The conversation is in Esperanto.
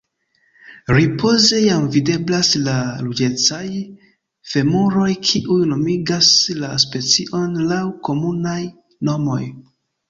Ripoze jam videblas la ruĝecaj femuroj kiuj nomigas la specion laŭ komunaj nomoj.